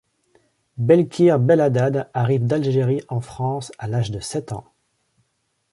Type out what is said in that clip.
Belkhir Belhaddad arrive d'Algérie en France à l'âge de sept ans.